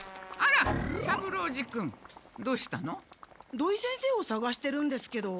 土井先生をさがしてるんですけど。